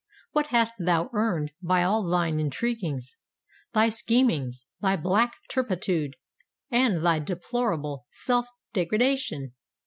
what hast thou earned by all thine intriguings—thy schemings—thy black turpitude—and thy deplorable self degradation?